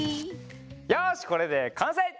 よしこれでかんせい！